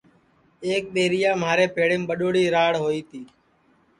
ایک ٻیریا مھارے پیڑیم ٻڈؔوڑی راڑ ہوئی تی